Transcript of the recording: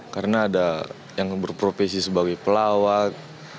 karena ada yang berprofesi sebagai pelawak